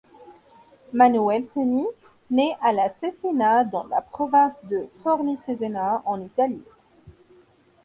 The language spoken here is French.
Manuel Senni naît le à Cesena dans la province de Forlì-Cesena en Italie.